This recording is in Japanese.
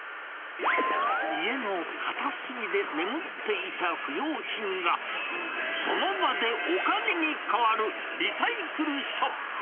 家の片隅で眠っていた不用品が、その場でお金にかわるリサイクルショップ。